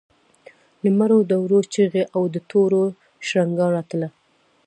له مړو دوړو چيغې او د تورو شرنګا راتله.